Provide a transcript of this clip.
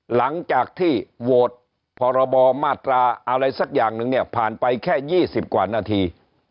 หลังจากที่โหวตพรบมาตราอะไรสักอย่างนึงเนี่ยผ่านไปแค่๒๐กว่านาที